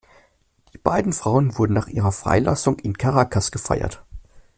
Die beiden Frauen wurden nach ihrer Freilassung in Caracas gefeiert.